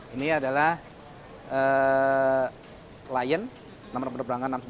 ini adalah client enam ratus enam puluh dua